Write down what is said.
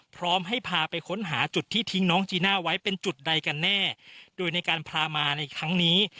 พร้อมให้พาไปค้นหาจุดที่ทิ้งน้องจีน่าไว้เป็นจุดใดกันแน่โดยในการพามาในครั้งนี้